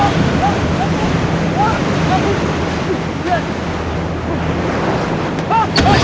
amur ampun ampun ampun